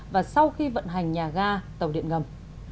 và sau khi vận hành nhà ga tàu điện ngầm